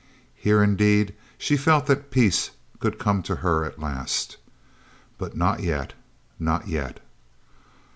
Here, indeed, she felt that peace could come to her at last. But not yet not yet.